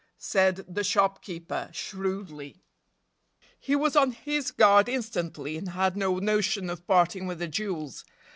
said the shopkeeper, shrewdly. He was on his guard instantly, and had no notion of parting with the jewels.